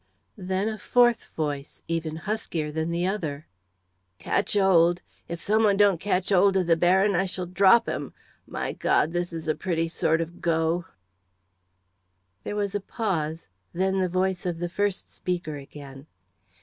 Then a fourth voice even huskier than the other. "Catch 'old! If some one don't catch 'old of the Baron I shall drop 'im. My God! this is a pretty sort of go!" There was a pause, then the voice of the first speaker again.